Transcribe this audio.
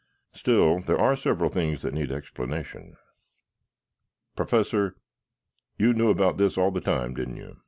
"Still, there are several things that need explanation." "Professor, you knew about this all the time, didn't you?"